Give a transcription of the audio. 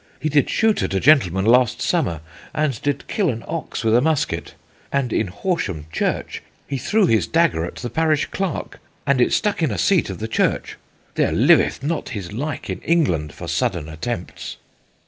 He did shoot at a gentleman last summer, and did kill an ox with a musket, and in Horsham church he threw his dagger at the parish clerk, and it stuck in a seat of the church. There liveth not his like in England for sudden attempts."